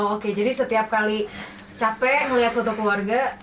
oke jadi setiap kali capek ngeliat foto keluarga